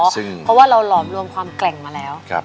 เพราะว่าเราหลอมรวมความแกร่งมาแล้ว